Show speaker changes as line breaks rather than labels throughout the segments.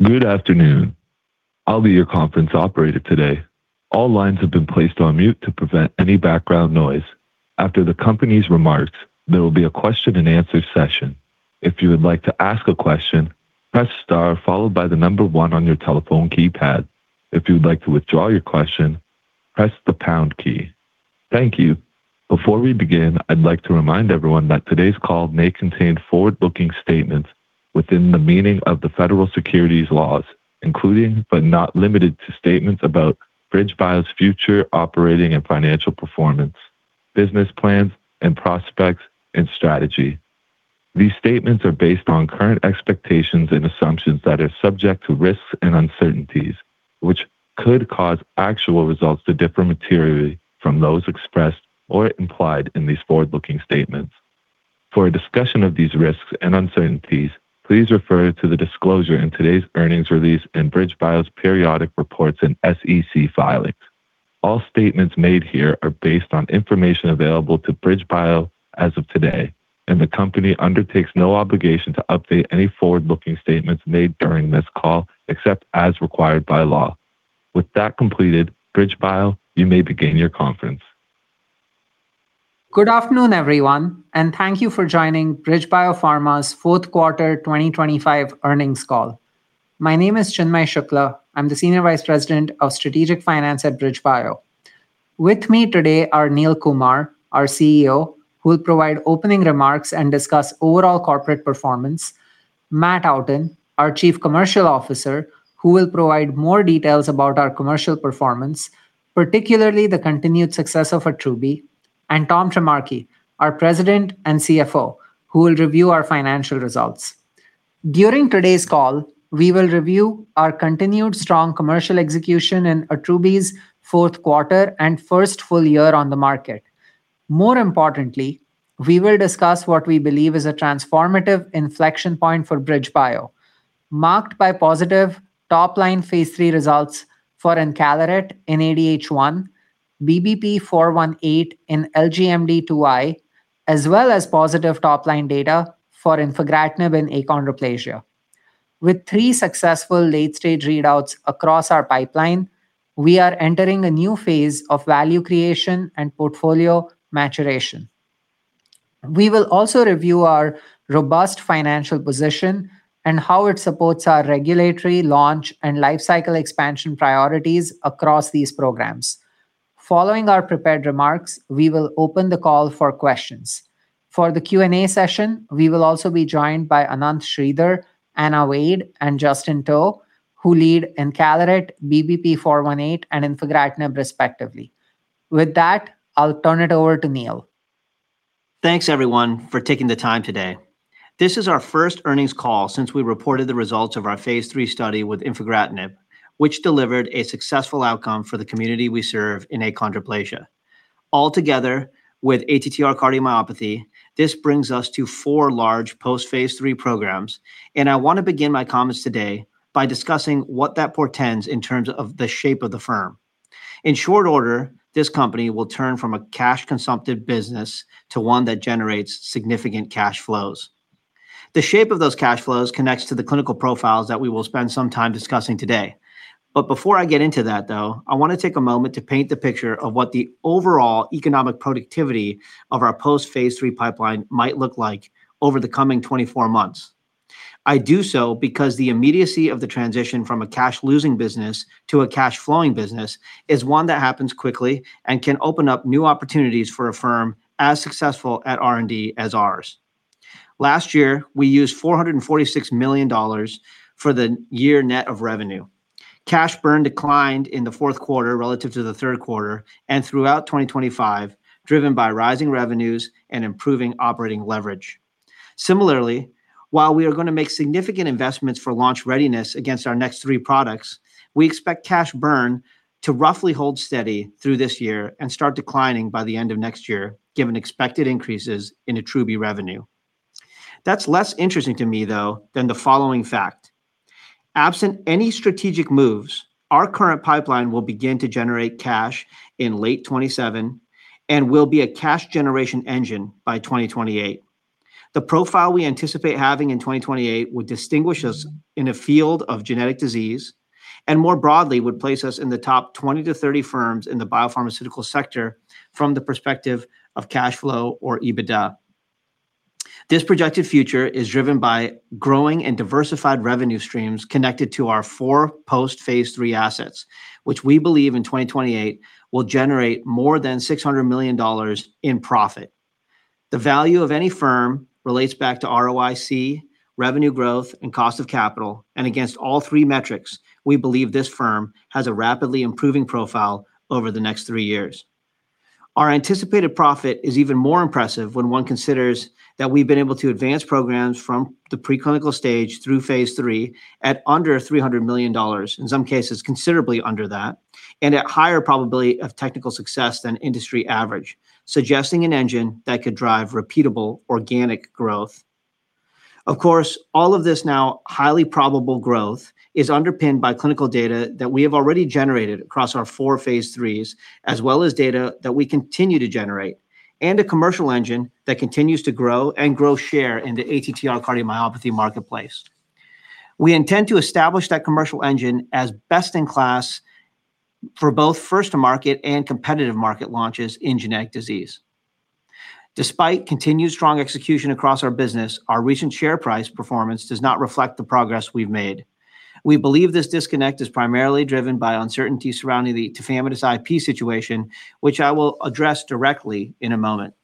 Good afternoon. I'll be your conference operator today. All lines have been placed on mute to prevent any background noise. After the company's remarks, there will be a question and answer session. If you would like to ask a question, press star followed by one on your telephone keypad. If you'd like to withdraw your question, press the pound key. Thank you. Before we begin, I'd like to remind everyone that today's call may contain forward-looking statements within the meaning of the federal securities laws, including, but not limited to, statements about BridgeBio's future operating and financial performance, business plans, and prospects and strategy. These statements are based on current expectations and assumptions that are subject to risks and uncertainties, which could cause actual results to differ materially from those expressed or implied in these forward-looking statements. For a discussion of these risks and uncertainties, please refer to the disclosure in today's earnings release and BridgeBio's periodic reports and SEC filings. All statements made here are based on information available to BridgeBio as of today. The company undertakes no obligation to update any forward-looking statements made during this call, except as required by law. With that completed, BridgeBio, you may begin your conference.
Good afternoon, everyone, and thank you for joining BridgeBio Pharma's fourth quarter 2025 earnings call. My name is Chinmay Shukla. I'm the Senior Vice President of Strategic Finance at BridgeBio. With me today are Neil Kumar, our CEO, who will provide opening remarks and discuss overall corporate performance; Matt Outten, our Chief Commercial Officer, who will provide more details about our commercial performance, particularly the continued success of Attruby; and Tom Trimarchi, our President and CFO, who will review our financial results. During today's call, we will review our continued strong commercial execution in Attruby's fourth quarter and first full year on the market. More importantly, we will discuss what we believe is a transformative inflection point for BridgeBio, marked by positive top-line phase III results for encaleret in ADH1, BBP-418 in LGMD2I, as well as positive top-line data for infigratinib in achondroplasia. With three successful late-stage readouts across our pipeline, we are entering a new phase of value creation and portfolio maturation. We will also review our robust financial position and how it supports our regulatory launch and lifecycle expansion priorities across these programs. Following our prepared remarks, we will open the call for questions. For the Q&A session, we will also be joined by Ananth Sridhar, Anna Wade, and Justin To, who lead encaleret, BBP-418, and infigratinib, respectively. With that, I'll turn it over to Neil.
Thanks, everyone, for taking the time today. This is our first earnings call since we reported the results of our phase III study with infigratinib, which delivered a successful outcome for the community we serve in achondroplasia. Altogether, with ATTR cardiomyopathy, this brings us to four large post-phase III programs. I want to begin my comments today by discussing what that portends in terms of the shape of the firm. In short order, this company will turn from a cash-consumptive business to one that generates significant cash flows. The shape of those cash flows connects to the clinical profiles that we will spend some time discussing today. Before I get into that, though, I want to take a moment to paint the picture of what the overall economic productivity of our post-phase III pipeline might look like over the coming 24 months. I do so because the immediacy of the transition from a cash-losing business to a cash-flowing business is one that happens quickly and can open up new opportunities for a firm as successful at R&D as ours. Last year, we used $446 million for the year net of revenue. Cash burn declined in the fourth quarter relative to the third quarter and throughout 2025, driven by rising revenues and improving operating leverage. While we are going to make significant investments for launch readiness against our next three products, we expect cash burn to roughly hold steady through this year and start declining by the end of next year, given expected increases in Attruby revenue. That's less interesting to me, though, than the following fact: absent any strategic moves, our current pipeline will begin to generate cash in late 2027 and will be a cash generation engine by 2028. The profile we anticipate having in 2028 would distinguish us in a field of genetic disease and more broadly, would place us in the top 20 to 30 firms in the biopharmaceutical sector from the perspective of cash flow or EBITDA. This projected future is driven by growing and diversified revenue streams connected to our four post-phase III assets, which we believe in 2028 will generate more than $600 million in profit. The value of any firm relates back to ROIC, revenue growth, and cost of capital, and against all three metrics, we believe this firm has a rapidly improving profile over the next three years. Our anticipated profit is even more impressive when one considers that we've been able to advance programs from the preclinical stage through phase III at under $300 million, in some cases, considerably under that, and at higher probability of technical success than industry average, suggesting an engine that could drive repeatable organic growth. Of course, all of this now highly probable growth is underpinned by clinical data that we have already generated across our four phase IIIs, as well as data that we continue to generate, and a commercial engine that continues to grow and grow share in the ATTR cardiomyopathy marketplace. We intend to establish that commercial engine as best-in-class for both first-to-market and competitive market launches in genetic disease. Despite continued strong execution across our business, our recent share price performance does not reflect the progress we've made. We believe this disconnect is primarily driven by uncertainty surrounding the tafamidis IP situation, which I will address directly in a moment.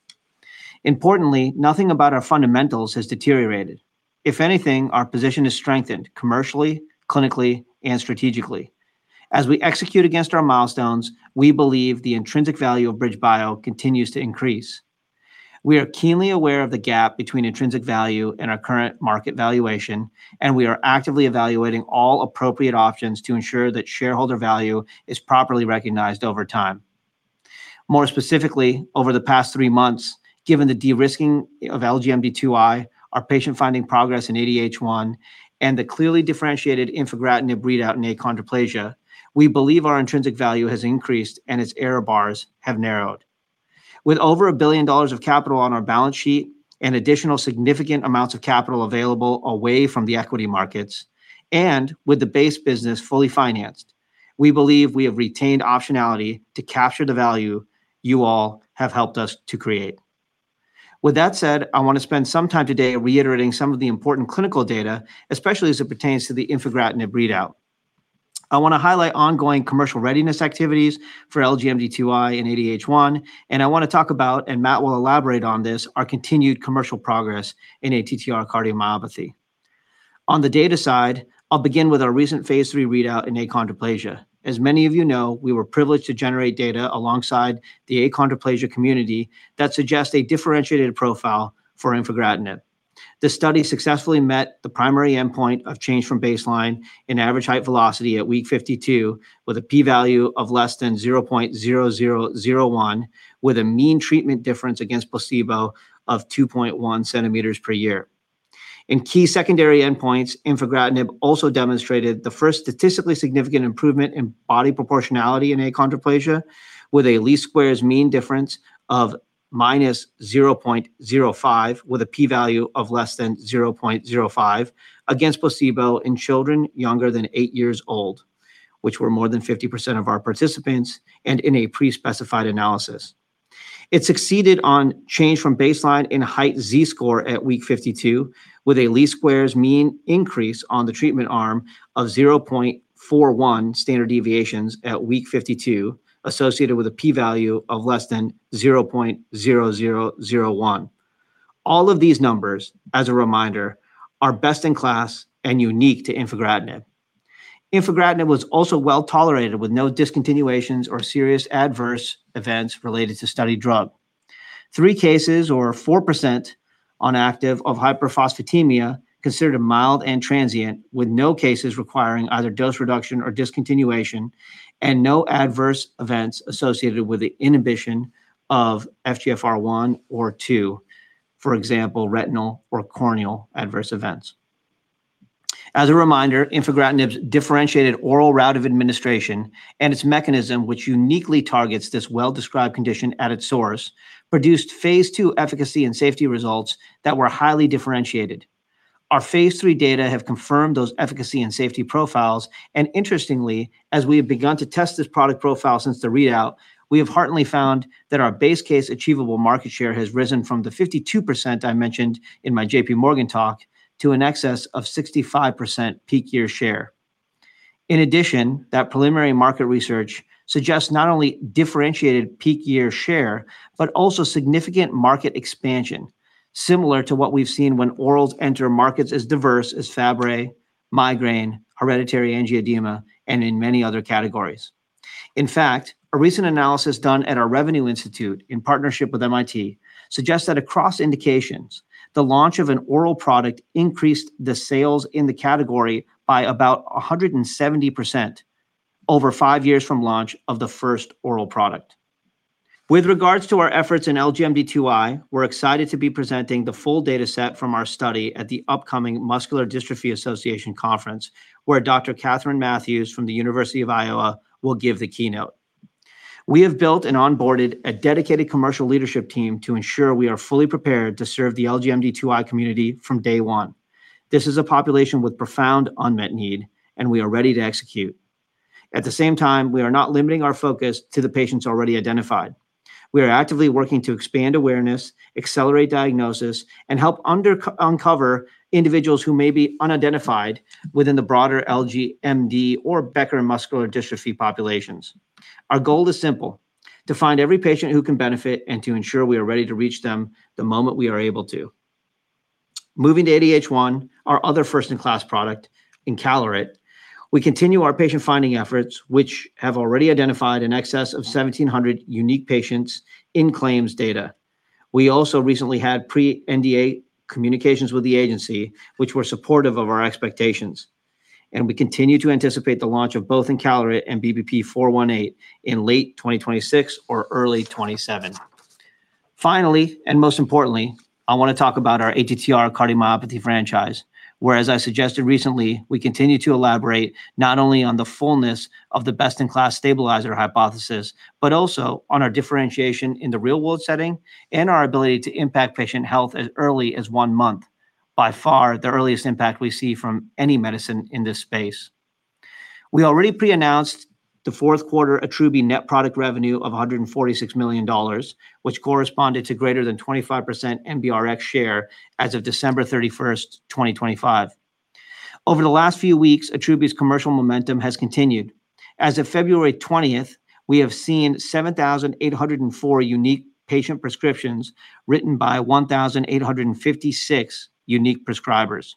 Importantly, nothing about our fundamentals has deteriorated. If anything, our position is strengthened commercially, clinically, and strategically. As we execute against our milestones, we believe the intrinsic value of BridgeBio continues to increase. We are keenly aware of the gap between intrinsic value and our current market valuation, and we are actively evaluating all appropriate options to ensure that shareholder value is properly recognized over time. More specifically, over the past three months, given the de-risking of LGMD2I, our patient finding progress in ADH1, and the clearly differentiated infigratinib read out in achondroplasia, we believe our intrinsic value has increased and its error bars have narrowed. With over $1 billion of capital on our balance sheet and additional significant amounts of capital available away from the equity markets, and with the base business fully financed, we believe we have retained optionality to capture the value you all have helped us to create. With that said, I want to spend some time today reiterating some of the important clinical data, especially as it pertains to the infigratinib read out. I want to highlight ongoing commercial readiness activities for LGMD2I and ADH1, and I want to talk about, and Matt will elaborate on this, our continued commercial progress in ATTR cardiomyopathy. On the data side, I'll begin with our recent phase III readout in achondroplasia. As many of you know, we were privileged to generate data alongside the achondroplasia community that suggests a differentiated profile for infigratinib. The study successfully met the primary endpoint of change from baseline in average height velocity at week 52, with a p-value of less than 0.0001, with a mean treatment difference against placebo of 2.1 cm per year. In key secondary endpoints, infigratinib also demonstrated the first statistically significant improvement in body proportionality in achondroplasia, with a least squares mean difference of -0.05, with a p-value of less than 0.05 against placebo in children younger than eight years old, which were more than 50% of our participants, and in a pre-specified analysis. It succeeded on change from baseline in height Z-score at week 52, with a least squares mean increase on the treatment arm of 0.41 standard deviations at week 52, associated with a p-value of less than 0.0001. All of these numbers, as a reminder, are best-in-class and unique to infigratinib. Infigratinib was also well-tolerated, with no discontinuations or serious adverse events related to study drug. Three cases or 4% on active of hyperphosphatemia, considered a mild and transient, with no cases requiring either dose reduction or discontinuation, and no adverse events associated with the inhibition of FGFR1 or 2, for example, retinal or corneal adverse events. A reminder, infigratinib's differentiated oral route of administration and its mechanism, which uniquely targets this well-described condition at its source, produced phase II efficacy and safety results that were highly differentiated. Our phase III data have confirmed those efficacy and safety profiles. Interestingly, as we have begun to test this product profile since the readout, we have heartily found that our base case achievable market share has risen from the 52% I mentioned in my JPMorgan talk to an excess of 65% peak year share. In addition, that preliminary market research suggests not only differentiated peak year share, but also significant market expansion, similar to what we've seen when orals enter markets as diverse as Fabry, migraine, hereditary angioedema, and in many other categories. In fact, a recent analysis done at our Revenue Institute in partnership with MIT suggests that across indications, the launch of an oral product increased the sales in the category by about 170% over five years from launch of the first oral product. With regards to our efforts in LGMD2I, we're excited to be presenting the full data set from our study at the upcoming Muscular Dystrophy Association Conference, where Dr. Katherine Mathews from the University of Iowa will give the keynote. We have built and onboarded a dedicated commercial leadership team to ensure we are fully prepared to serve the LGMD2I community from day one. This is a population with profound unmet need, and we are ready to execute. At the same time, we are not limiting our focus to the patients already identified. We are actively working to expand awareness, accelerate diagnosis, and help uncover individuals who may be unidentified within the broader LGMD or Becker muscular dystrophy populations. Our goal is simple: to find every patient who can benefit and to ensure we are ready to reach them the moment we are able to. Moving to ADH1, our other first-in-class product, encaleret, we continue our patient-finding efforts, which have already identified in excess of 1,700 unique patients in claims data. We also recently had pre-NDA communications with the agency, which were supportive of our expectations, and we continue to anticipate the launch of both encaleret and BBP-418 in late 2026 or early 2027. Finally, and most importantly, I want to talk about our ATTR cardiomyopathy franchise, where, as I suggested recently, we continue to elaborate not only on the fullness of the best-in-class stabilizer hypothesis, but also on our differentiation in the real-world setting and our ability to impact patient health as early as one month. By far, the earliest impact we see from any medicine in this space. We already pre-announced the fourth quarter Attruby net product revenue of $146 million, which corresponded to greater than 25% MBRX share as of December 31st, 2025. Over the last few weeks, Attruby's commercial momentum has continued. As of February 20th, we have seen 7,804 unique patient prescriptions written by 1,856 unique prescribers.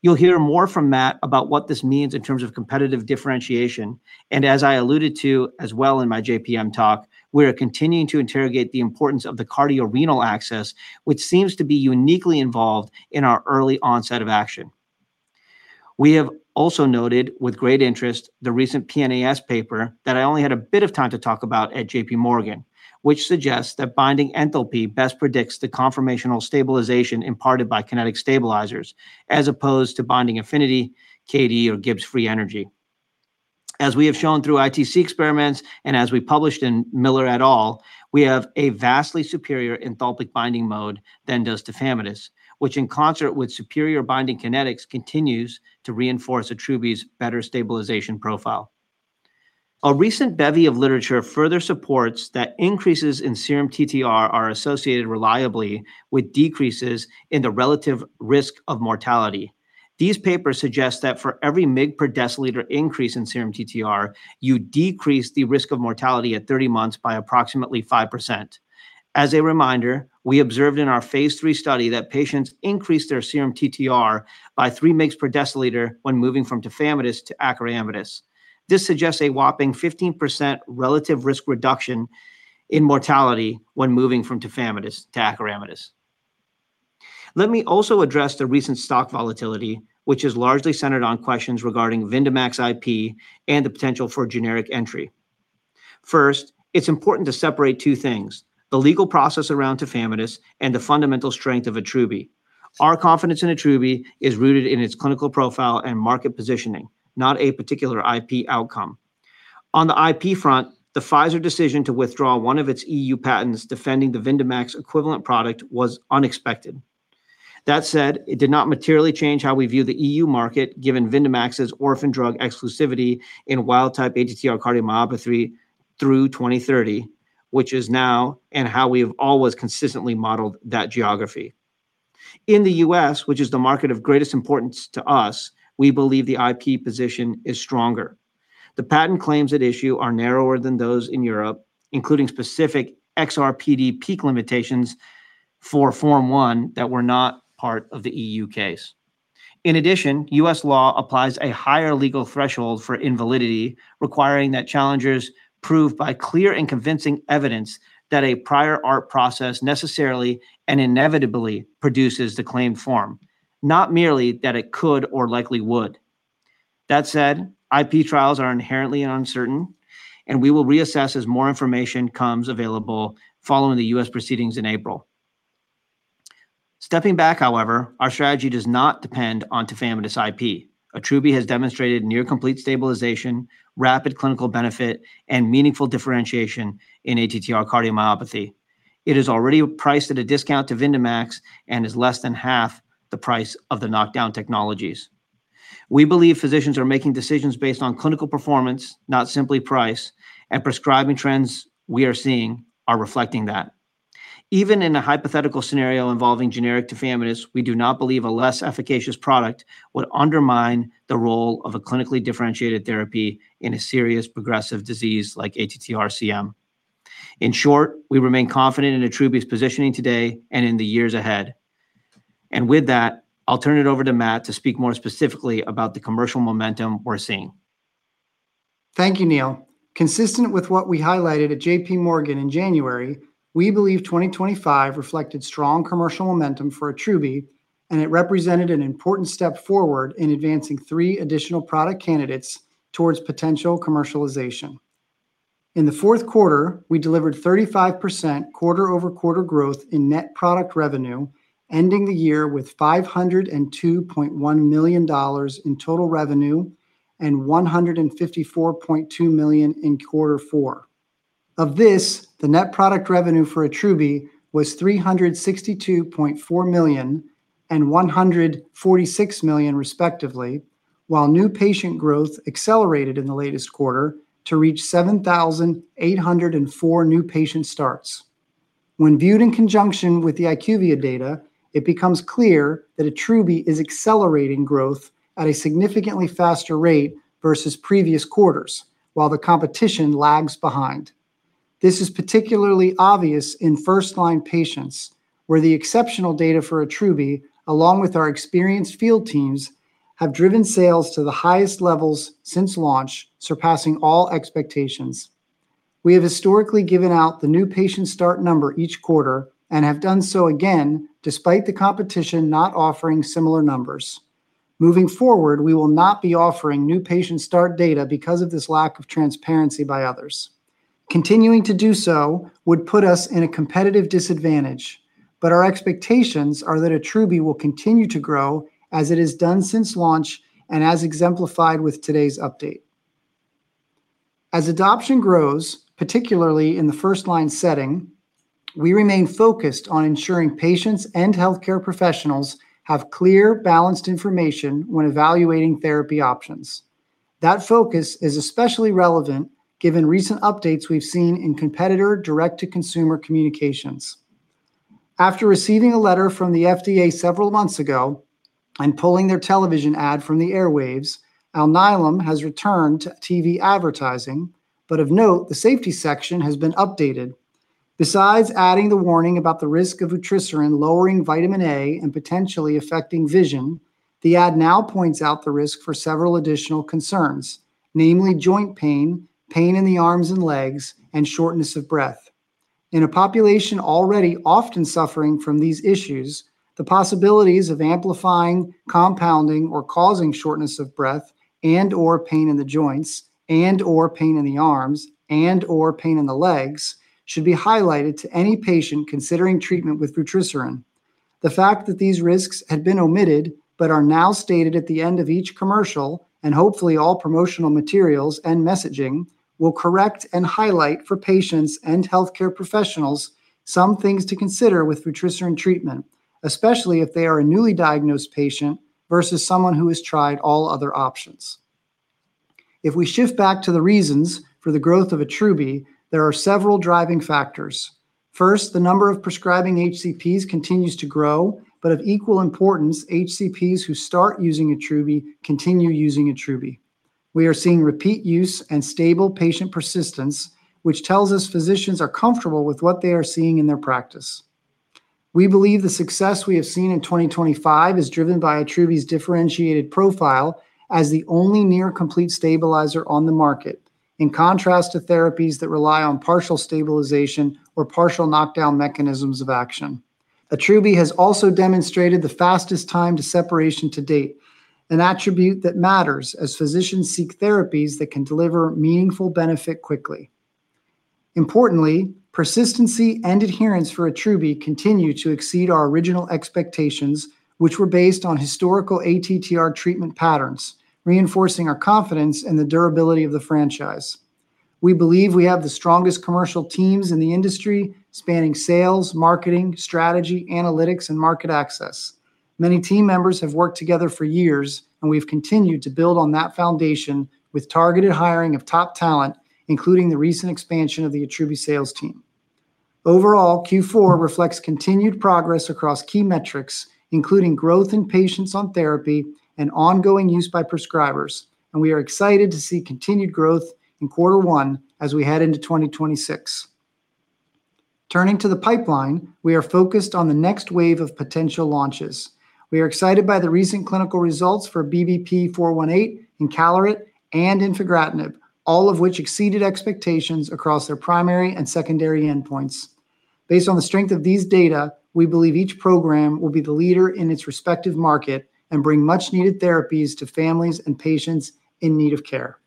You'll hear more from Matt about what this means in terms of competitive differentiation, and as I alluded to as well in my JPM talk, we are continuing to interrogate the importance of the cardiorenal axis, which seems to be uniquely involved in our early onset of action. We have also noted with great interest the recent PNAS paper, that I only had a bit of time to talk about at JPMorgan, which suggests that binding enthalpy best predicts the conformational stabilization imparted by kinetic stabilizers, as opposed to binding affinity, KD or Gibbs free energy. As we have shown through ITC experiments and as we published in Miller et al., we have a vastly superior enthalpic binding mode than does tafamidis, which, in concert with superior binding kinetics, continues to reinforce Attruby's better stabilization profile. A recent bevy of literature further supports that increases in serum TTR are associated reliably with decreases in the relative risk of mortality. These papers suggest that for every mg per dL increase in serum TTR, you decrease the risk of mortality at 30 months by approximately 5%. As a reminder, we observed in our phase III study that patients increased their serum TTR by 3 mgs/dL when moving from tafamidis to acoramidis. This suggests a whopping 15% relative risk reduction in mortality when moving from tafamidis to acoramidis. Let me also address the recent stock volatility, which is largely centered on questions regarding Vyndamax IP and the potential for generic entry. It's important to separate two things: the legal process around tafamidis and the fundamental strength of Attruby. Our confidence in Attruby is rooted in its clinical profile and market positioning, not a particular IP outcome. On the IP front, the Pfizer decision to withdraw one of its EU patents defending the Vyndamax equivalent product was unexpected. That said, it did not materially change how we view the EU market, given Vyndamax's Orphan Drug Exclusivity in wild-type ATTR cardiomyopathy through 2030, which is now and how we have always consistently modeled that geography. In the U.S., which is the market of greatest importance to us, we believe the IP position is stronger. The patent claims at issue are narrower than those in Europe, including specific XRPD peak limitations for Form 1 that were not part of the EU case. In addition, U.S. law applies a higher legal threshold for invalidity, requiring that challengers prove by clear and convincing evidence that a prior art process necessarily and inevitably produces the claimed form, not merely that it could or likely would. That said, IP trials are inherently uncertain, and we will reassess as more information comes available following the U.S. proceedings in April. Stepping back, however, our strategy does not depend on tafamidis IP. Attruby has demonstrated near complete stabilization, rapid clinical benefit, and meaningful differentiation in ATTR cardiomyopathy. It is already priced at a discount to Vyndamax and is less than half the price of the knockdown technologies. We believe physicians are making decisions based on clinical performance, not simply price, and prescribing trends we are seeing are reflecting that. Even in a hypothetical scenario involving generic tafamidis, we do not believe a less efficacious product would undermine the role of a clinically differentiated therapy in a serious progressive disease like ATTR-CM. In short, we remain confident in Attruby's positioning today and in the years ahead. With that, I'll turn it over to Matt to speak more specifically about the commercial momentum we're seeing.
Thank you, Neil. Consistent with what we highlighted at JPMorgan in January, we believe 2025 reflected strong commercial momentum for Attruby, and it represented an important step forward in advancing three additional product candidates towards potential commercialization. In the fourth quarter, we delivered 35% quarter-over-quarter growth in net product revenue, ending the year with $502.1 million in total revenue and $154.2 million in quarter four. Of this, the net product revenue for Attruby was $362.4 million and $146 million, respectively, while new patient growth accelerated in the latest quarter to reach 7,804 new patient starts. When viewed in conjunction with the IQVIA data, it becomes clear that Attruby is accelerating growth at a significantly faster rate versus previous quarters, while the competition lags behind. This is particularly obvious in first-line patients, where the exceptional data for Attruby, along with our experienced field teams, have driven sales to the highest levels since launch, surpassing all expectations. We have historically given out the new patient start number each quarter and have done so again, despite the competition not offering similar numbers. Moving forward, we will not be offering new patient start data because of this lack of transparency by others. Continuing to do so would put us in a competitive disadvantage, but our expectations are that Attruby will continue to grow as it has done since launch and as exemplified with today's update. As adoption grows, particularly in the first-line setting, we remain focused on ensuring patients and healthcare professionals have clear, balanced information when evaluating therapy options. That focus is especially relevant given recent updates we've seen in competitor direct-to-consumer communications. After receiving a letter from the FDA several months ago and pulling their television ad from the airwaves, Alnylam has returned to TV advertising, but of note, the safety section has been updated. Besides adding the warning about the risk of eplontersen lowering vitamin A and potentially affecting vision, the ad now points out the risk for several additional concerns, namely joint pain, pain in the arms and legs, and shortness of breath. In a population already often suffering from these issues, the possibilities of amplifying, compounding, or causing shortness of breath and/or pain in the joints and/or pain in the arms and/or pain in the legs should be highlighted to any patient considering treatment with eplontersen. The fact that these risks had been omitted but are now stated at the end of each commercial, and hopefully all promotional materials and messaging, will correct and highlight for patients and healthcare professionals some things to consider with eplontersen treatment, especially if they are a newly diagnosed patient versus someone who has tried all other options. If we shift back to the reasons for the growth of Attruby, there are several driving factors. First, the number of prescribing HCPs continues to grow, but of equal importance, HCPs who start using Attruby continue using Attruby. We are seeing repeat use and stable patient persistence, which tells us physicians are comfortable with what they are seeing in their practice. We believe the success we have seen in 2025 is driven by Attruby's differentiated profile as the only near-complete stabilizer on the market, in contrast to therapies that rely on partial stabilization or partial knockdown mechanisms of action. Attruby has also demonstrated the fastest time to separation to date, an attribute that matters as physicians seek therapies that can deliver meaningful benefit quickly. Importantly, persistency and adherence for Attruby continue to exceed our original expectations, which were based on historical ATTR treatment patterns, reinforcing our confidence in the durability of the franchise. We believe we have the strongest commercial teams in the industry, spanning sales, marketing, strategy, analytics, and market access. Many team members have worked together for years. We've continued to build on that foundation with targeted hiring of top talent, including the recent expansion of the Atrusi sales team. Overall, Q4 reflects continued progress across key metrics, including growth in patients on therapy and ongoing use by prescribers. We are excited to see continued growth in quarter one as we head into 2026. Turning to the pipeline, we are focused on the next wave of potential launches. We are excited by the recent clinical results for BBP-418, encaleret, and infigratinib, all of which exceeded expectations across their primary and secondary endpoints. Based on the strength of these data, we believe each program will be the leader in its respective market and bring much-needed therapies to families and patients in need of care.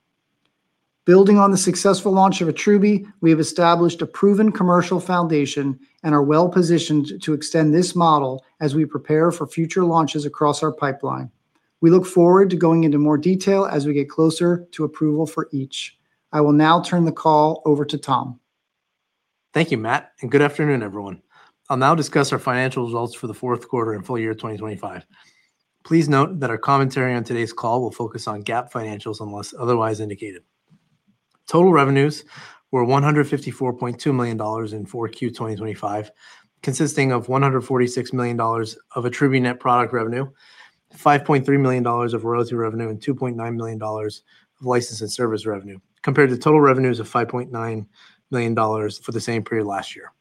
Building on the successful launch of Attruby, we have established a proven commercial foundation and are well-positioned to extend this model as we prepare for future launches across our pipeline. We look forward to going into more detail as we get closer to approval for each. I will now turn the call over to Tom.
Thank you, Matt, and good afternoon, everyone. I'll now discuss our financial results for the fourth quarter and full year of 2025. Please note that our commentary on today's call will focus on GAAP financials, unless otherwise indicated. Total revenues were $154.2 million in 4Q 2025, consisting of $146 million of Attruby net product revenue, $5.3 million of royalty revenue, and $2.9 million of license and service revenue, compared to total revenues of $5.9 million for the same period last year.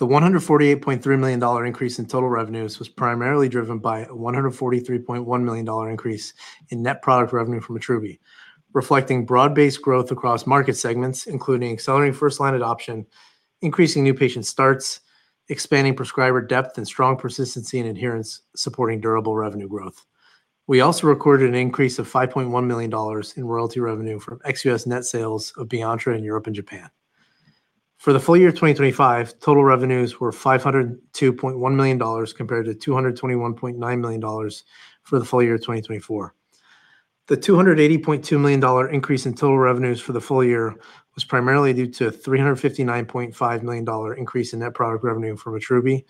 The $148.3 million increase in total revenues was primarily driven by a $143.1 million increase in net product revenue from Attruby, reflecting broad-based growth across market segments, including accelerating first-line adoption, increasing new patient starts, expanding prescriber depth, and strong persistency and adherence, supporting durable revenue growth. We also recorded an increase of $5.1 million in royalty revenue from ex U.S. net sales of Beyonttra in Europe and Japan. For the full year 2025, total revenues were $502.1 million, compared to $221.9 million for the full year 2024. The $280.2 million increase in total revenues for the full year was primarily due to $359.5 million increase in net product revenue from Attruby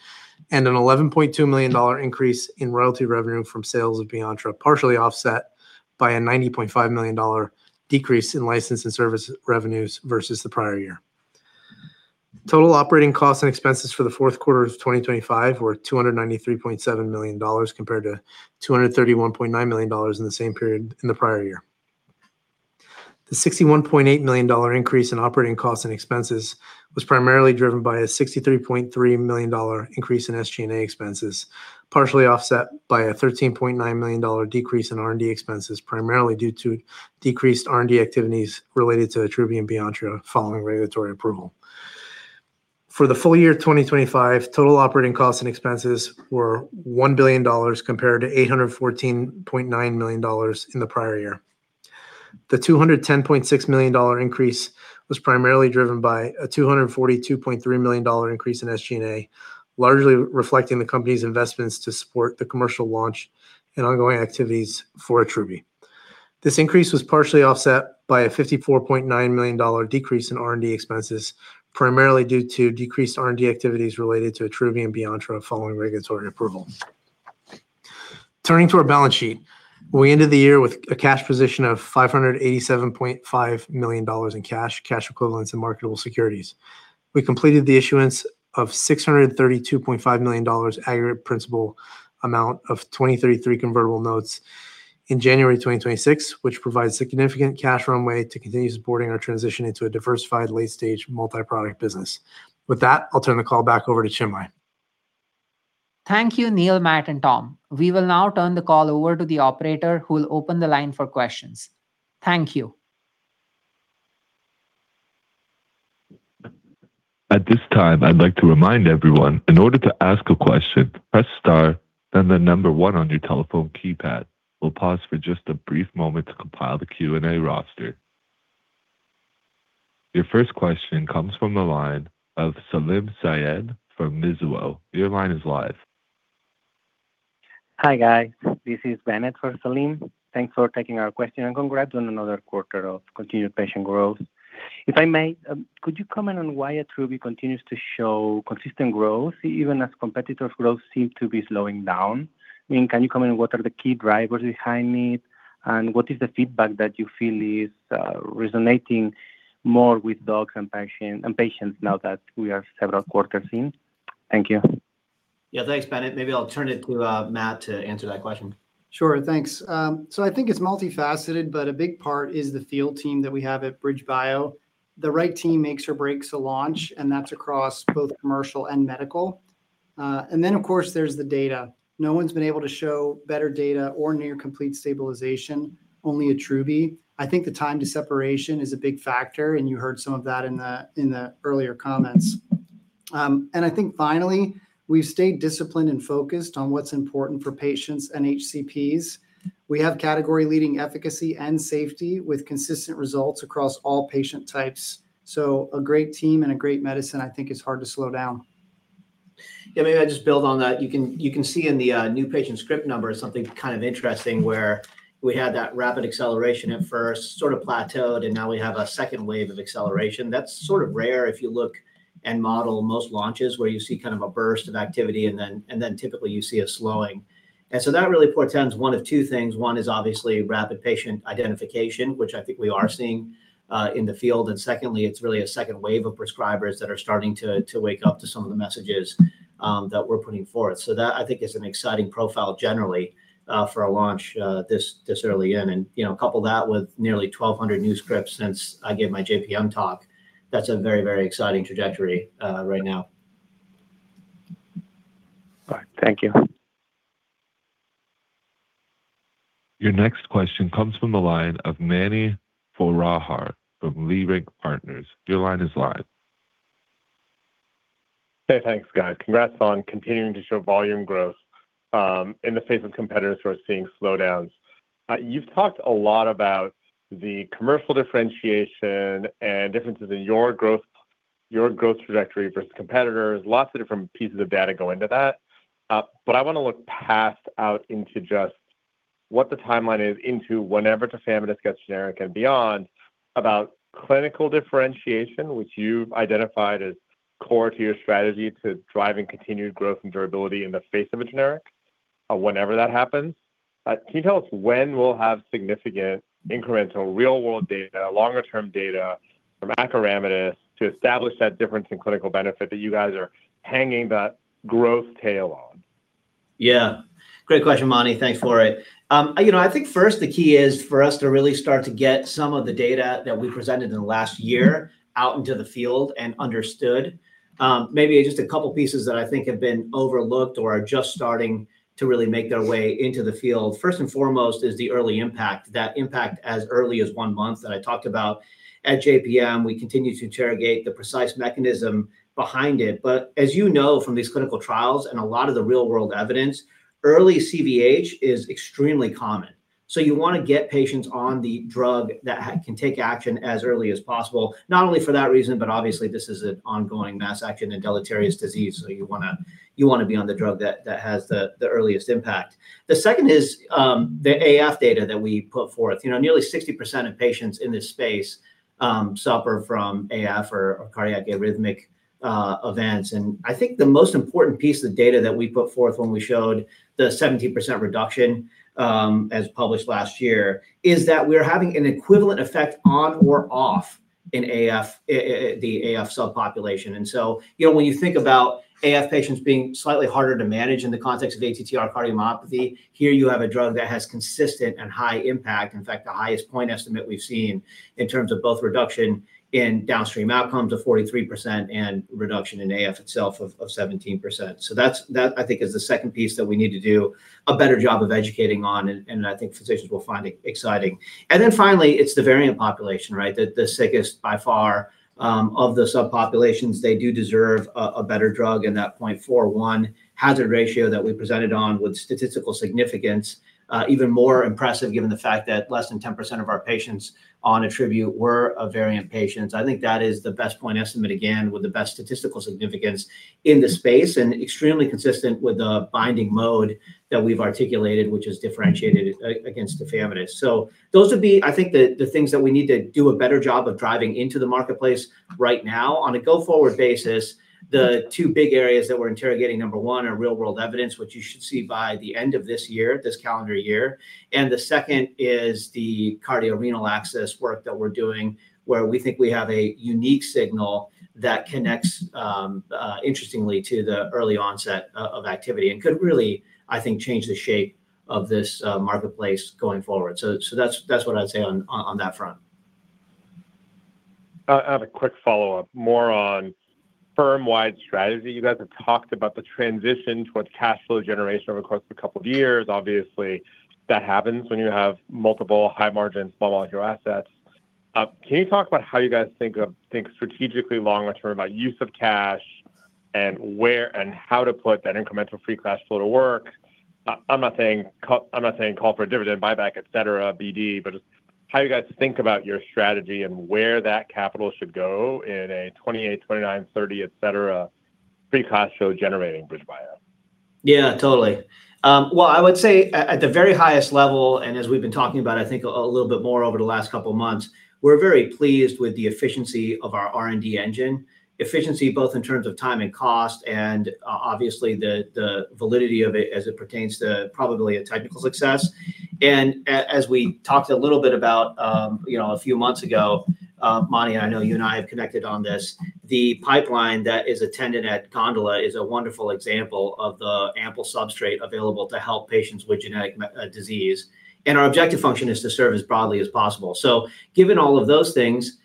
and an $11.2 million increase in royalty revenue from sales of Beyonttra, partially offset by a $90.5 million decrease in license and service revenues versus the prior year. Total operating costs and expenses for the fourth quarter of 2025 were $293.7 million, compared to $231.9 million in the same period in the prior year. The $61.8 million increase in operating costs and expenses was primarily driven by a $63.3 million increase in SG&A expenses, partially offset by a $13.9 million decrease in R&D expenses, primarily due to decreased R&D activities related to Attruby and Beyonttra following regulatory approval. For the full year 2025, total operating costs and expenses were $1 billion, compared to $814.9 million in the prior year. The $210.6 million increase was primarily driven by a $242.3 million increase in SG&A, largely reflecting the company's investments to support the commercial launch and ongoing activities for Attruby. This increase was partially offset by a $54.9 million decrease in R&D expenses, primarily due to decreased R&D activities related to Attruby and Beyonttra following regulatory approval. Turning to our balance sheet, we ended the year with a cash position of $587.5 million in cash equivalents, and marketable securities. We completed the issuance of $632.5 million aggregate principal amount of 2033 convertible notes in January 2026, which provides significant cash runway to continue supporting our transition into a diversified, late-stage, multi-product business. With that, I'll turn the call back over to Chinmay.
Thank you, Neil, Matt, and Tom. We will now turn the call over to the operator, who will open the line for questions. Thank you.
At this time, I'd like to remind everyone, in order to ask a question, press star, then the number one on your telephone keypad. We'll pause for just a brief moment to compile the Q&A roster. Your first question comes from the line of Salim Syed from Mizuho. Your line is live.
Hi, guys. This is Bennett for Salim. Thanks for taking our question. Congrats on another quarter of continued patient growth. If I may, could you comment on why Attruby continues to show consistent growth even as competitors' growth seem to be slowing down? I mean, can you comment on what are the key drivers behind it, what is the feedback that you feel is resonating more with docs and patients now that we are several quarters in? Thank you.
Thanks, Bennett. Maybe I'll turn it to, Matt to answer that question.
Sure. Thanks. I think it's multifaceted, but a big part is the field team that we have at BridgeBio. The right team makes or breaks a launch, and that's across both commercial and medical. Of course, there's the data. No one's been able to show better data or near complete stabilization, only Attruby. I think the time to separation is a big factor, and you heard some of that in the earlier comments. I think finally, we've stayed disciplined and focused on what's important for patients and HCPs. We have category-leading efficacy and safety with consistent results across all patient types. A great team and a great medicine, I think it's hard to slow down.
Maybe I'll just build on that. You can, you can see in the new patient script number something kind of interesting where we had that rapid acceleration at first, sort of plateaued, and now we have a second wave of acceleration. That's sort of rare if you look and model most launches, where you see kind of a burst of activity and then, and then typically you see a slowing. That really portends one of two things. One is obviously rapid patient identification, which I think we are seeing in the field. Secondly, it's really a second wave of prescribers that are starting to wake up to some of the messages that we're putting forth. That, I think, is an exciting profile generally for a launch this early in. You know, couple that with nearly 1,200 new scripts since I gave my JPM talk, that's a very, very exciting trajectory right now.
All right. Thank you.
Your next question comes from the line of Mani Foroohar from Leerink Partners. Your line is live.
Hey, thanks, guys. Congrats on continuing to show volume growth in the face of competitors who are seeing slowdowns. You've talked a lot about the commercial differentiation and differences in your growth trajectory versus competitors. Lots of different pieces of data go into that. I want to look past out into just what the timeline is into whenever tafamidis gets generic and beyond, about clinical differentiation, which you've identified as core to your strategy to driving continued growth and durability in the face of a generic whenever that happens. Can you tell us when we'll have significant incremental real-world data, longer-term data from acoramidis to establish that difference in clinical benefit that you guys are hanging that growth tail on?
Yeah. Great question, Mani. Thanks for it. you know, I think first, the key is for us to really start to get some of the data that we presented in the last year out into the field and understood. Maybe just a couple pieces that I think have been overlooked or are just starting to really make their way into the field. First and foremost is the early impact, that impact as early as one month that I talked about at JPM. We continue to interrogate the precise mechanism behind it. As you know from these clinical trials and a lot of the real-world evidence, early CVH is extremely common. You want to get patients on the drug that can take action as early as possible. Not only for that reason, obviously this is an ongoing mass action and deleterious disease, so you wanna be on the drug that has the earliest impact. The second is, the AF data that we put forth. You know, nearly 60% of patients in this space suffer from AF or cardiac arrhythmic events. I think the most important piece of the data that we put forth when we showed the 17% reduction, as published last year, is that we're having an equivalent effect on or off in AF, in the AF subpopulation. So, you know, when you think about AF patients being slightly harder to manage in the context of ATTR cardiomyopathy, here you have a drug that has consistent and high impact. In fact, the highest point estimate we've seen in terms of both reduction in downstream outcomes of 43% and reduction in AF itself of 17%. That I think, is the second piece that we need to do a better job of educating on, and I think physicians will find it exciting. Finally, it's the variant population, right? The sickest by far, of the subpopulations. They do deserve a better drug, and that 0.41 hazard ratio that we presented on with statistical significance, even more impressive given the fact that less than 10% of our patients on Attruby were a variant patients. I think that is the best point estimate, again, with the best statistical significance in the space, and extremely consistent with the binding mode that we've articulated, which is differentiated against tafamidis. Those would be, I think, the things that we need to do a better job of driving into the marketplace right now. On a go-forward basis, the two big areas that we're interrogating, number one, are real-world evidence, which you should see by the end of this year, this calendar year. The second is the cardiorenal axis work that we're doing, where we think we have a unique signal that connects, interestingly, to the early onset of activity and could really, I think, change the shape of this marketplace going forward. That's what I'd say on that front.
I have a quick follow-up, more on firm-wide strategy. You guys have talked about the transition towards cash flow generation over the course of a couple of years. Obviously, that happens when you have multiple high-margin, small molecule assets. Can you talk about how you guys think strategically long term about use of cash and where and how to put that incremental free cash flow to work? I'm not saying call for a dividend buyback, et cetera, BD, but just how you guys think about your strategy and where that capital should go in a 2028, 2029, 2030, et cetera, free cash flow generating BridgeBio?
Totally. Well, I would say at the very highest level, as we've been talking about, I think a little bit more over the last couple of months, we're very pleased with the efficiency of our R&D engine. Efficiency, both in terms of time and cost and obviously, the validity of it as it pertains to probably a technical success. As we talked a little bit about, you know, a few months ago, Manny, I know you and I have connected on this. The pipeline that is attended at Gondola is a wonderful example of the ample substrate available to help patients with genetic disease, and our objective function is to serve as broadly as possible. Given all of those things,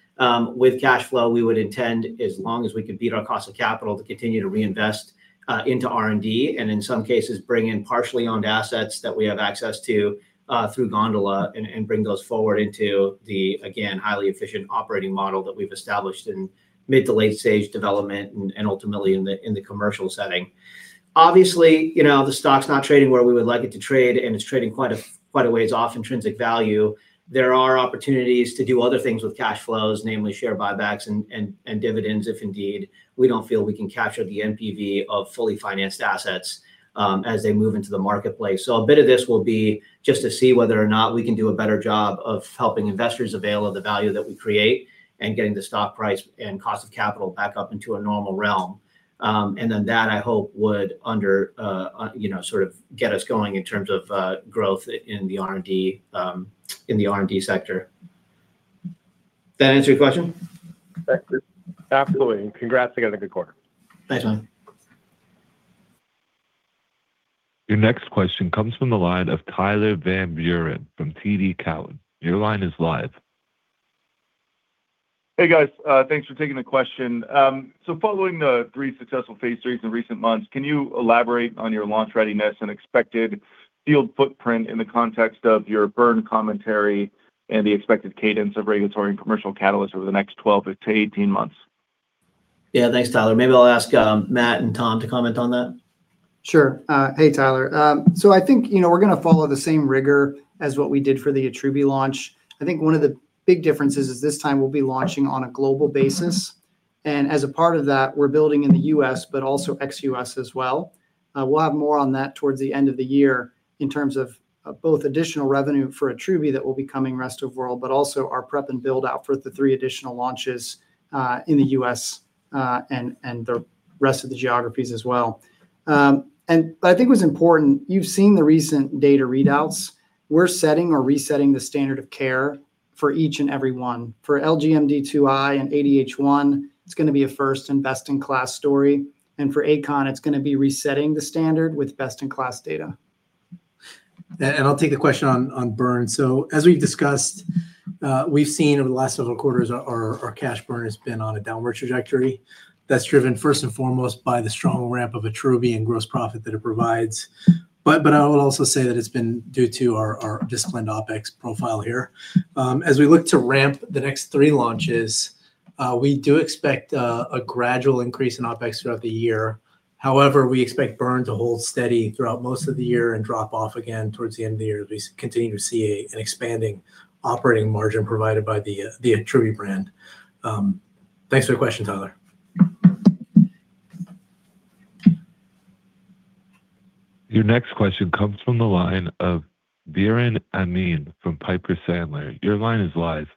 with cash flow, we would intend, as long as we can beat our cost of capital, to continue to reinvest into R&D and in some cases bring in partially owned assets that we have access to, through Gondola and bring those forward into the, again, highly efficient operating model that we've established in mid to late stage development and ultimately in the, in the commercial setting. Obviously, you know, the stock's not trading where we would like it to trade, and it's trading quite a, quite a ways off intrinsic value. There are opportunities to do other things with cash flows, namely share buybacks and dividends, if indeed, we don't feel we can capture the NPV of fully financed assets, as they move into the marketplace. A bit of this will be just to see whether or not we can do a better job of helping investors avail of the value that we create, and getting the stock price and cost of capital back up into a normal realm. That, I hope, would, you know, sort of get us going in terms of growth in the R&D, in the R&D sector. Does that answer your question?
Thank you. Absolutely. Congrats again on a good quarter.
Thanks, Mani.
Your next question comes from the line of Tyler Van Buren from TD Cowen. Your line is live.
Hey, guys, thanks for taking the question. Following the three successful phase III in recent months, can you elaborate on your launch readiness and expected field footprint in the context of your burn commentary and the expected cadence of regulatory and commercial catalysts over the next 12 to 18 months?
Yeah, thanks, Tyler. Maybe I'll ask Matt and Tom to comment on that.
Sure. Hey, Tyler. I think, you know, we're going to follow the same rigor as what we did for the Attruby launch. I think one of the big differences is this time we'll be launching on a global basis, and as a part of that, we're building in the U.S., but also ex-U.S. as well. We'll have more on that towards the end of the year in terms of both additional revenue for Attruby that will be coming rest of world, but also our prep and build out for the three additional launches in the U.S. and the rest of the geographies as well. I think what's important, you've seen the recent data readouts. We're setting or resetting the standard of care for each and everyone. For LGMD2I and ADH1, it's going to be a first and best-in-class story, and for achon, it's going to be resetting the standard with best-in-class data.
I'll take the question on burn. As we've discussed, we've seen over the last several quarters, our cash burn has been on a downward trajectory. That's driven first and foremost by the strong ramp of Attruby and gross profit that it provides. I would also say that it's been due to our disciplined OpEx profile here. As we look to ramp the next three launches, we do expect a gradual increase in OpEx throughout the year. However, we expect burn to hold steady throughout most of the year and drop off again towards the end of the year, as we continue to see an expanding operating margin provided by the Attruby brand. Thanks for the question, Tyler.
Your next question comes from the line of Biren Amin from Piper Sandler. Your line is live.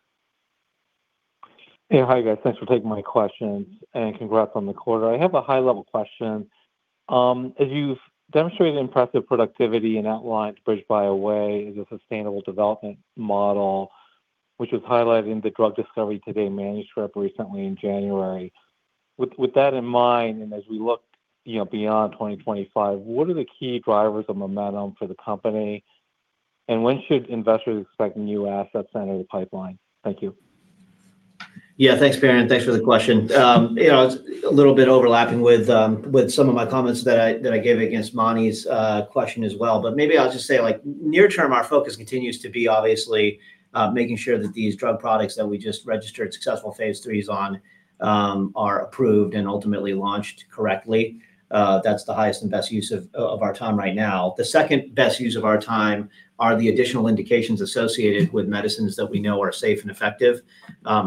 Hey, hi, guys. Thanks for taking my questions, and congrats on the quarter. I have a high-level question. As you've demonstrated impressive productivity and outlined The BridgeBio Way as a sustainable development model, which was highlighted in the Drug Discovery Today manuscript recently in January. With that in mind, and as we look, you know, beyond 2025, what are the key drivers of momentum for the company, and when should investors expect new assets out of the pipeline? Thank you.
Yeah, thanks, Biren. Thanks for the question. you know, a little bit overlapping with some of my comments that I gave against Mani's question as well. Maybe I'll just say, like, near term, our focus continues to be obviously, making sure that these drug products that we just registered successful Phase III on, are approved and ultimately launched correctly. That's the highest and best use of our time right now. The second best use of our time are the additional indications associated with medicines that we know are safe and effective,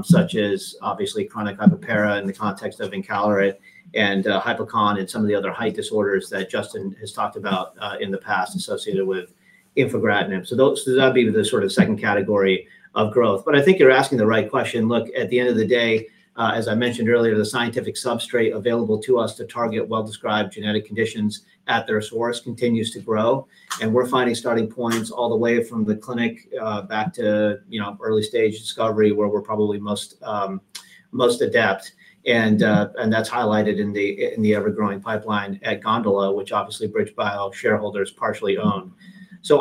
such as obviously chronic hypopara in the context of encaleret and hypochon and some of the other height disorders that Justin has talked about in the past, associated with infigratinib. Those, that'd be the sort of second category of growth. I think you're asking the right question. Look, at the end of the day, as I mentioned earlier, the scientific substrate available to us to target well-described genetic conditions at their source continues to grow, and we're finding starting points all the way from the clinic, back to, you know, early stage discovery, where we're probably most adept. And that's highlighted in the ever-growing pipeline at Gondola, which obviously BridgeBio shareholders partially own.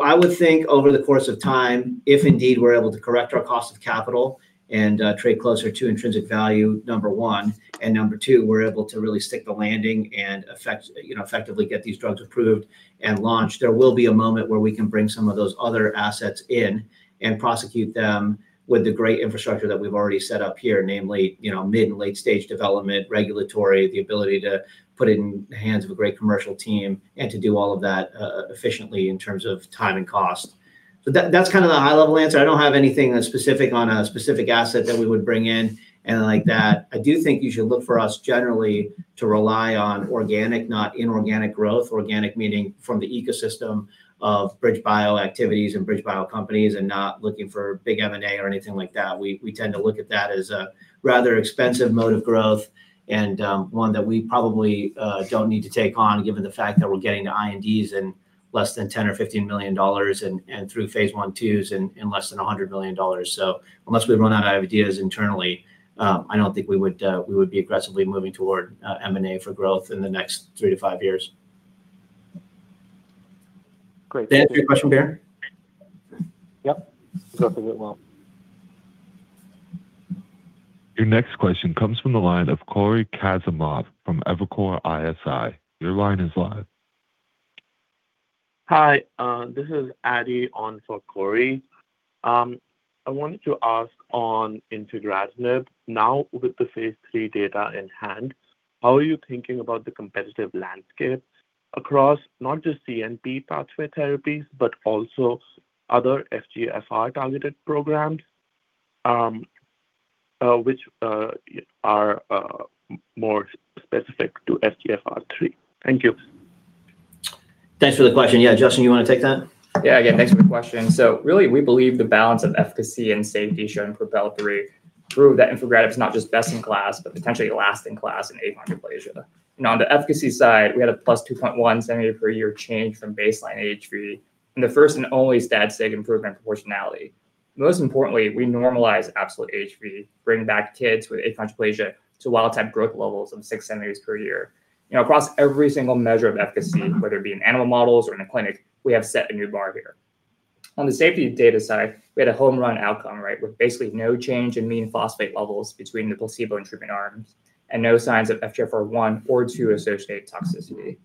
I would think over the course of time, if indeed we're able to correct our cost of capital and trade closer to intrinsic value, number one, and number two, we're able to really stick the landing and effectively get these drugs approved and launched. There will be a moment where we can bring some of those other assets in and prosecute them with the great infrastructure that we've already set up here, namely, you know, mid- and late-stage development, regulatory, the ability to put it in the hands of a great commercial team, and to do all of that efficiently in terms of time and cost. That, that's kind of the high level answer, I don't have anything specific on a specific asset that we would bring in and like that. I do think you should look for us generally to rely on organic, not inorganic growth. Organic meaning from the ecosystem of BridgeBio activities and BridgeBio companies, and not looking for big M&A or anything like that. We tend to look at that as a rather expensive mode of growth and one that we probably don't need to take on, given the fact that we're getting to INDs in less than $10 million or $15 million and through Phase I/IIs in less than $100 million. Unless we run out of ideas internally, I don't think we would be aggressively moving toward M&A for growth in the next three to five years.
Great.
Did I answer your question, Biren?
Yep. Perfect, well.
Your next question comes from the line of Cory Kasimov from Evercore ISI. Your line is live.
Hi, this is Adi on for Cory. I wanted to ask on infigratinib. Now, with the phase III data in hand, how are you thinking about the competitive landscape across not just CNP pathway therapies, but also other FGFR-targeted programs, which are more specific to FGFR3? Thank you.
Thanks for the question. Yeah, Justin, you want to take that?
Yeah. Yeah, thanks for the question. Really, we believe the balance of efficacy and safety shown in PROPEL 3 prove that infigratinib is not just best-in-class, but potentially last-in-class in achondroplasia. Now, on the efficacy side, we had a +2.1 cm per year change from baseline age three, and the first and only stat sig improvement proportionality. Most importantly, we normalize absolute HV, bringing back kids with achondroplasia to wild-type growth levels of 6 cm per year. You know, across every single measure of efficacy, whether it be in animal models or in a clinic, we have set a new bar here. On the safety data side, we had a home run outcome, right? With basically no change in mean phosphate levels between the placebo and treatment arms, and no signs of FGFR1 or 2 associated toxicity.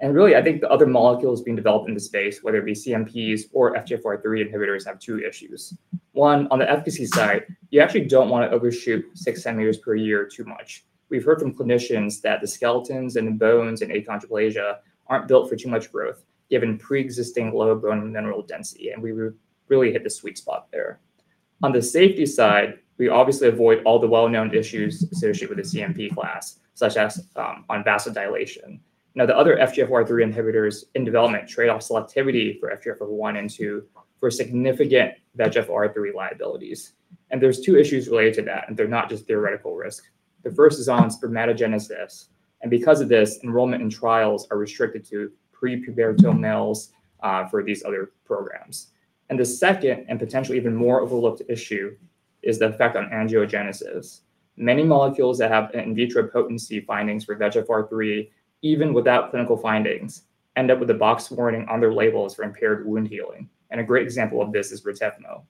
Really, I think the other molecules being developed in the space, whether it be CNP or FGFR3 inhibitors, have two issues. One, on the efficacy side, you actually don't want to overshoot 6 cm per year too much. We've heard from clinicians that the skeletons and bones in achondroplasia aren't built for too much growth, given preexisting low bone mineral density, and we really hit the sweet spot there. On the safety side, we obviously avoid all the well-known issues associated with the CNP class, such as on vasodilation. Now, the other FGFR3 inhibitors in development trade off selectivity for FGFR1 and 2 for significant VEGFR3 liabilities. There's two issues related to that, and they're not just theoretical risk. The first is on spermatogenesis, and because of this, enrollment in trials are restricted to prepubertal males for these other programs. The second, and potentially even more overlooked issue, is the effect on angiogenesis. Many molecules that have in-vitro potency findings for VEGFR3, even without clinical findings, end up with a box warning on their labels for impaired wound healing. A great example of this is Retevmo.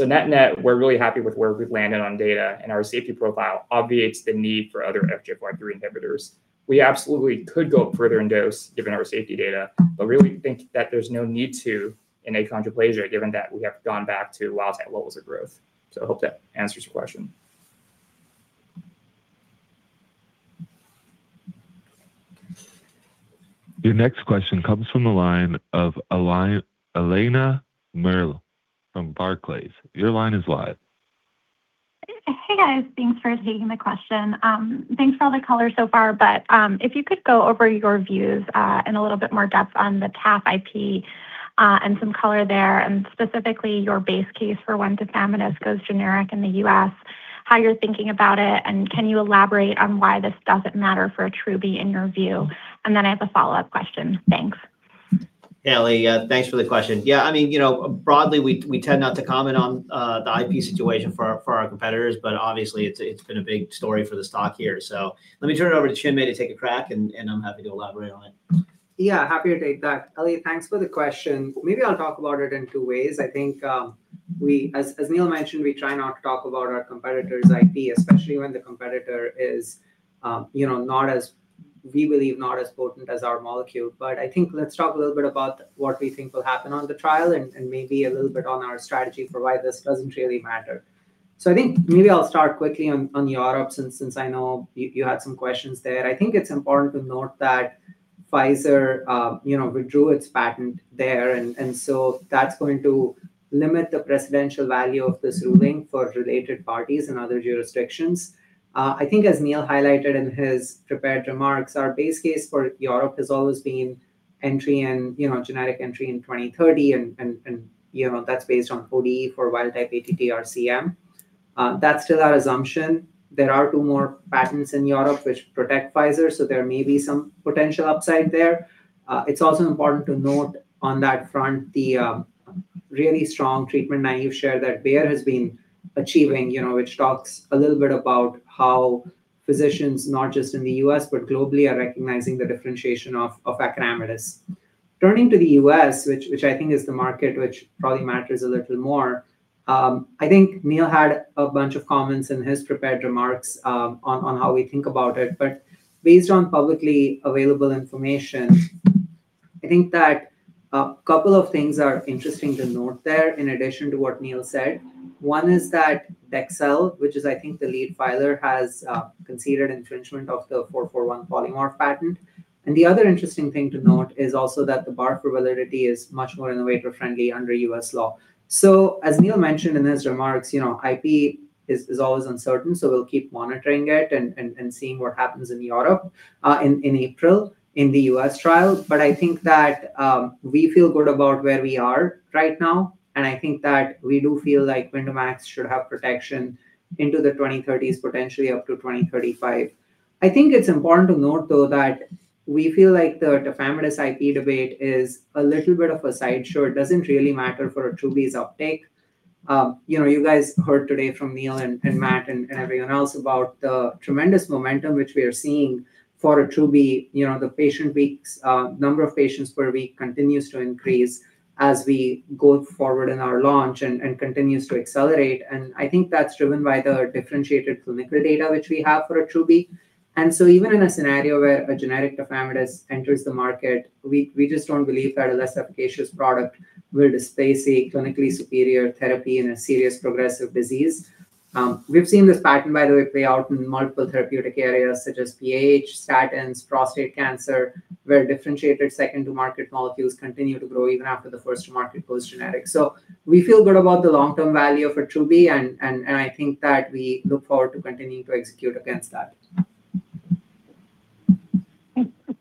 Net-net, we're really happy with where we've landed on data, and our safety profile obviates the need for other FGFR3 inhibitors. We absolutely could go further in dose given our safety data, but really think that there's no need to in achondroplasia, given that we have gone back to wild-type levels of growth. I hope that answers your question.
Your next question comes from the line of Eliana Merle from Barclays. Your line is live.
Hey, guys. Thanks for taking the question. Thanks for all the color so far, but, if you could go over your views, in a little bit more depth on the taf IP, and some color there, and specifically your base case for when tafamidis goes generic in the U.S., how you're thinking about it, and can you elaborate on why this doesn't matter for Attruby, in your view? I have a follow-up question. Thanks.
Hey, Ellie, thanks for the question. Yeah, I mean, you know, broadly, we tend not to comment on the IP situation for our competitors, but obviously it's been a big story for the stock here. Let me turn it over to Chinmay to take a crack, and I'm happy to elaborate on it.
Yeah, happy to take that. Ellie, thanks for the question. Maybe I'll talk about it in two ways. I think, as Neil mentioned, we try not to talk about our competitor's IP, especially when the competitor is, you know, not as, we believe, not as potent as our molecule. I think let's talk a little bit about what we think will happen on the trial and maybe a little bit on our strategy for why this doesn't really matter. I think maybe I'll start quickly on Europe, since I know you had some questions there. I think it's important to note that Pfizer, you know, withdrew its patent there, and so that's going to limit the precedential value of this ruling for related parties in other jurisdictions. I think as Neil highlighted in his prepared remarks, our base case for Europe has always been entry and, you know, generic entry in 2030 and, you know, that's based on ODE for wild-type ATTR-CM. That's still our assumption. There are two more patents in Europe which protect Pfizer, so there may be some potential upside there. It's also important to note on that front, the really strong treatment, [naive] share that [Brian] has been achieving, you know, which talks a little bit about how physicians, not just in the U.S., but globally, are recognizing the differentiation of acoramidis. Turning to the U.S., which I think is the market, which probably matters a little more, I think Neil had a bunch of comments in his prepared remarks, on how we think about it. Based on publicly available information, I think that a couple of things are interesting to note there in addition to what Neil said. One is that Dexcel, which is, I think, the lead filer, has conceded infringement of the 441 polymorph patent. The other interesting thing to note is also that the bar for validity is much more innovator-friendly under U.S. law. As Neil mentioned in his remarks, you know, IP is always uncertain, so we'll keep monitoring it and seeing what happens in Europe in April in the U.S. trials. I think that we feel good about where we are right now, and I think that we do feel like Vyndamax should have protection into the 2030s, potentially up to 2035. I think it's important to note, though, that we feel like the tafamidis IP debate is a little bit of a sideshow. It doesn't really matter for Attruby's uptake. you know, you guys heard today from Neil and Matt and everyone else about the tremendous momentum which we are seeing for Attruby. You know, the patient weeks, number of patients per week continues to increase as we go forward in our launch and continues to accelerate. I think that's driven by the differentiated clinical data which we have for Attruby. Even in a scenario where a generic tafamidis enters the market, we just don't believe that a less efficacious product will displace a clinically superior therapy in a serious progressive disease. We've seen this pattern, by the way, play out in multiple therapeutic areas such as PH, statins, prostate cancer, where differentiated second to market molecules continue to grow even after the first to market post-generics. We feel good about the long-term value of Attruby, and I think that we look forward to continuing to execute against that.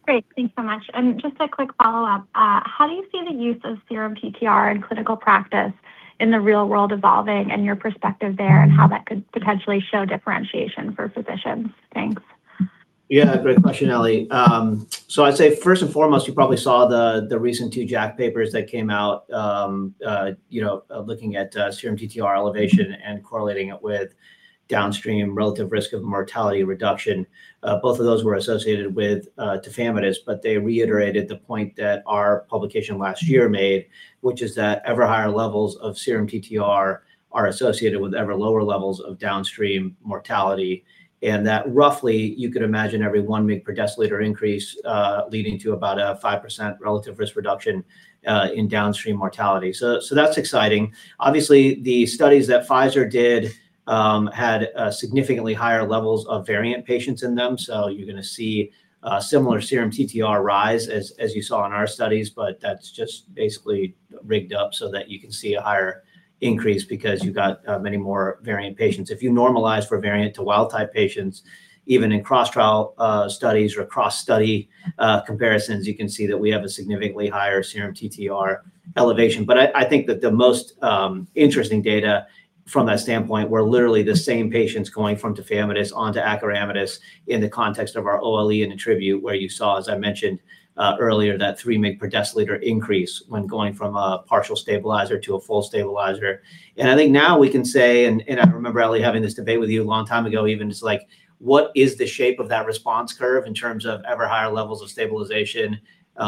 Great. Thanks so much. Just a quick follow-up. How do you see the use of serum TTR in clinical practice in the real world evolving and your perspective there, and how that could potentially show differentiation for physicians? Thanks.
Yeah, great question, Ellie. I'd say first and foremost, you probably saw the recent two JACC papers that came out, you know, looking at serum TTR elevation and correlating it with downstream relative risk of mortality reduction. Both of those were associated with tafamidis, but they reiterated the point that our publication last year made, which is that ever higher levels of serum TTR are associated with ever lower levels of downstream mortality, and that roughly, you could imagine every 1 mg/dL increase, leading to about a 5% relative risk reduction, in downstream mortality. That's exciting. Obviously, the studies that Pfizer did had significantly higher levels of variant patients in them. You're going to see a similar serum TTR rise as you saw in our studies, but that's just basically rigged up so that you can see a higher increase because you've got many more variant patients. If you normalize for variant to wild-type patients, even in cross-trial studies or cross-study comparisons, you can see that we have a significantly higher serum TTR elevation. I think that the most interesting data from that standpoint were literally the same patients going from tafamidis on to acoramidis in the context of our OLE and ATTRibute, where you saw, as I mentioned earlier, that 3 mg/dL increase when going from a partial stabilizer to a full stabilizer. I think now we can say, and I remember, Ellie, having this debate with you a long time ago, even just like, what is the shape of that response curve in terms of ever higher levels of stabilization,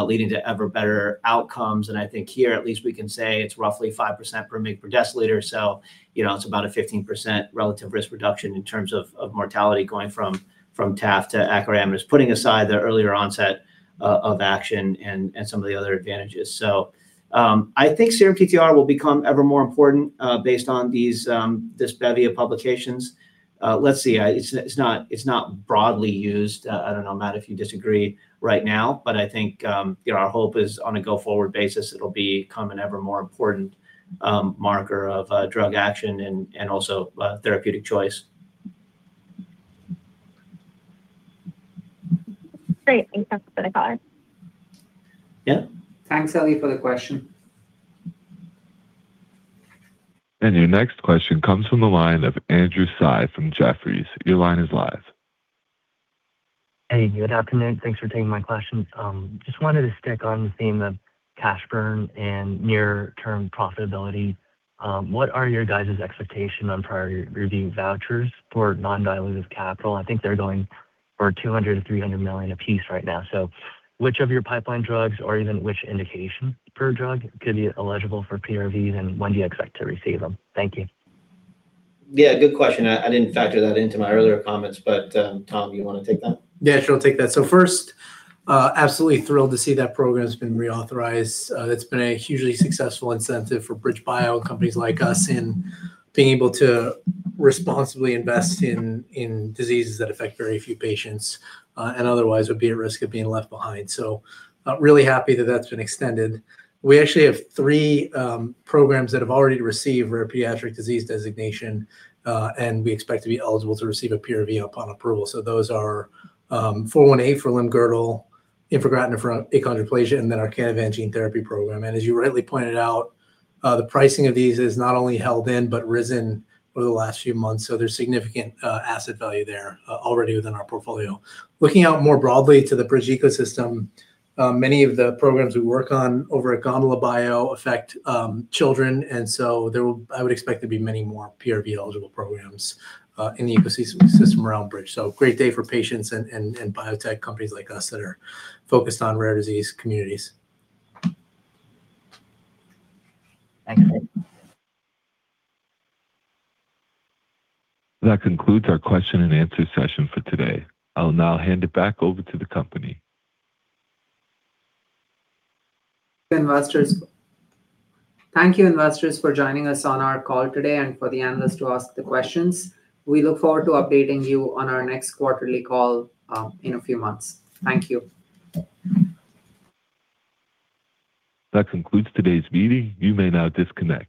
leading to ever better outcomes? I think here at least we can say it's roughly 5% per mg/dL. You know, it's about a 15% relative risk reduction in terms of mortality going from taf to acoramidis, putting aside the earlier onset of action and some of the other advantages. I think serum TTR will become ever more important, based on these, this bevy of publications. Let's see, it's not, it's not broadly used. I don't know, Matt, if you disagree right now, but I think, you know, our hope is on a go-forward basis, it'll become an ever more important marker of drug action and also therapeutic choice.
Great. Thanks for the color.
Yeah.
Thanks, Ellie, for the question.
Your next question comes from the line of Andrew Tsai from Jefferies. Your line is live.
Hey, good afternoon. Thanks for taking my question. Just wanted to stick on the theme of cash burn and near-term profitability. What are your guidance expectation on Priority Review Vouchers for non-dilutive capital? I think they're going for $200 million and $300 million apiece right now. Which of your pipeline drugs, or even which indication per drug, could be eligible for PRVs, and when do you expect to receive them? Thank you.
Yeah, good question. I didn't factor that into my earlier comments, but, Tom, you want to take that?
Yeah, sure, I'll take that. First, absolutely thrilled to see that program has been reauthorized. It's been a hugely successful incentive for BridgeBio and companies like us in being able to responsibly invest in diseases that affect very few patients and otherwise would be at risk of being left behind. Really happy that that's been extended. We actually have three programs that have already received Rare Pediatric Disease Designation and we expect to be eligible to receive a PRV upon approval. Those are 418 for limb-girdle, infigratinib for achondroplasia, our Canavan gene therapy program. As you rightly pointed out, the pricing of these is not only held in but risen over the last few months. There's significant asset value there already within our portfolio. Looking out more broadly to the Bridge ecosystem, many of the programs we work on over at Gondola Bio affect children. I would expect there to be many more PRV-eligible programs in the ecosystem around Bridge. Great day for patients and biotech companies like us that are focused on rare disease communities.
Thanks.
That concludes our question and answer session for today. I'll now hand it back over to the company.
Thank you, investors, for joining us on our call today and for the analysts to ask the questions. We look forward to updating you on our next quarterly call in a few months. Thank you.
That concludes today's meeting. You may now disconnect.